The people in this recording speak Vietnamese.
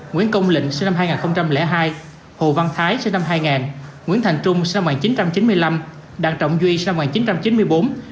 nguyễn công lĩnh sinh năm hai nghìn hai hồ văn thái sinh năm hai nghìn nguyễn thành trung sinh năm một nghìn chín trăm chín mươi năm đặng trọng duy sinh năm một nghìn chín trăm chín mươi bốn